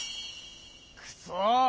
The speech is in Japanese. くそ！